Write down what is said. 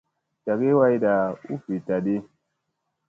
Cagi wayɗa u viɗta di.